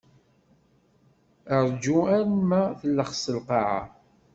Rǧu arma tellext lqaɛa.